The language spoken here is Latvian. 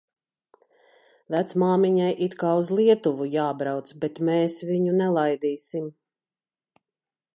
Vecmāmiņai it kā uz Lietuvu jābrauc, bet mēs viņu nelaidīsim.